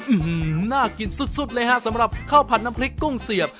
น่ากินสุดเลยฮะสำหรับข้าวผัดน้ำพริกกุ้งเสียบ